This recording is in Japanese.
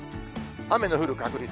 雨の降る確率。